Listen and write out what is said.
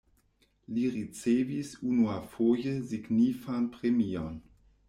Li ricevis unuafoje signifan premion.